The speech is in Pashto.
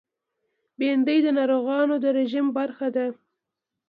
بېنډۍ د ناروغانو د رژیم برخه ده